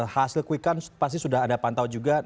hasil quick count pasti sudah ada pantau juga